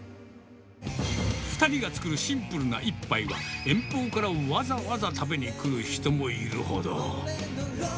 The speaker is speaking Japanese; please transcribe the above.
２人が作るシンプルな一杯は、遠方からわざわざ食べに来る人もいるほど。